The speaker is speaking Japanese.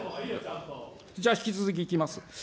じゃあ引き続きいきます。